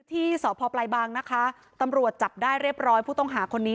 ที่สพปลายบางนะคะตำรวจจับได้เรียบร้อยผู้ต้องหาคนนี้